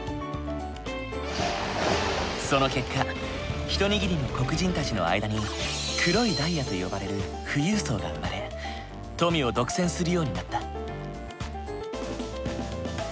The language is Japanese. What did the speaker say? その結果一握りの黒人たちの間に黒いダイヤと呼ばれる富裕層が生まれ富を独占するようになった。